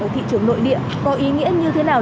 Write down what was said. thị trường nội địa có ý nghĩa như thế nào